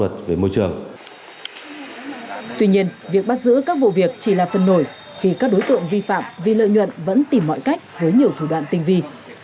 qua đó các đối tượng bị bắt giữ các vụ việc chỉ là phân nổi khi các đối tượng bị lợi nhuận vẫn tìm mọi cách với nhiều thủ đoạn tinh vi